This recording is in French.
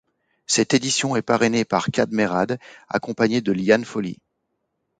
Cette édition est parrainée par Kad Merad accompagné de Liane Foly.